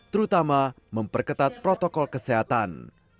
terutama memperketat protokol kesehatan